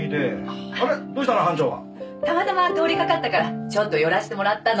たまたま通りかかったからちょっと寄らせてもらったの。